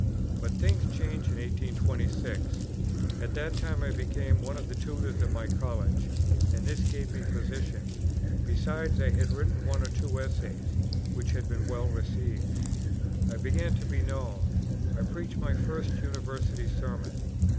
But things changed in 1826. At that time I became one of the Tutors of my College, and this gave me position; besides, I had written one or two Essays which had been well received. I began to be known. I preached my first University Sermon.